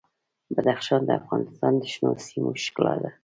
بدخشان د افغانستان د شنو سیمو ښکلا ده.